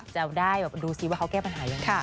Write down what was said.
จะได้ดูซิว่าเขาแก้ปัญหายังไง